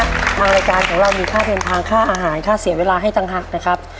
ทางรายการของเรามีค่าเดินทางค่าอาหารค่าเสียเวลาให้ต่างหากนะครับ